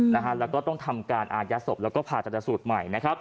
แล้วก็ต้องทำการอาญาศพแล้วก็ผ่าจัดสูตรใหม่